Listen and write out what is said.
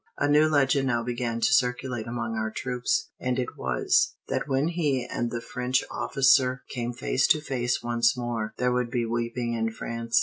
A new legend now began to circulate among our troops; and it was, that when he and the French officer came face to face once more, there would be weeping in France.